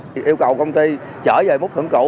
điêu cầu công ty trở về mức thưởng